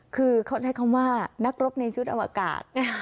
คือเขาใช้คำว่านักรบในชุดอวกาศ